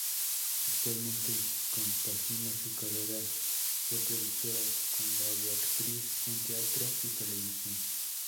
Actualmente compagina su carrera de productora con la de actriz en teatro y televisión.